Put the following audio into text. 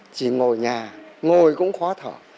chỉ ngồi nhà ngồi cũng khó thở